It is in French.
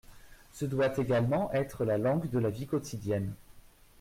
Ce doit également être la langue de la vie quotidienne.